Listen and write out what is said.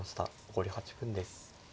残り８分です。